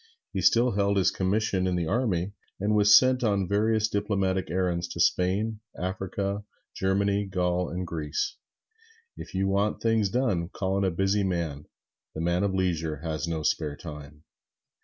He still held his commission in the army, and was sent on various diplomatic errands to Spain, Africa, Germany, Gaul and Greece. If you want things done, call on a busy man: the man of leisure has no spare time.